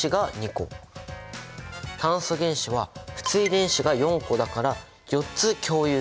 炭素原子は不対電子が４個だから４つ共有結合できる。